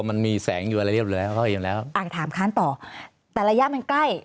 มันมีแสงอยู่อะไรเรียบอยู่แล้วเขาเห็นแล้วอ่ะถามค้านต่อแต่ระยะมันใกล้